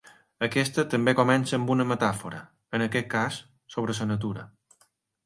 Aquesta també comença amb una metàfora, en aquest cas sobre la natura.